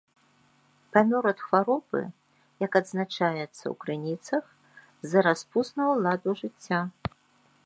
Памёр ад хваробы, як адзначаецца ў крыніцах, з-за распуснага ладу жыцця.